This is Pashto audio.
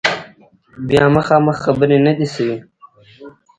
بیا مخامخ خبرې نه دي شوي